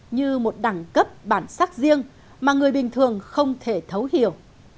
như một đẳng cấp bản sắc riêng mà người bình thường không thể thấu hiểu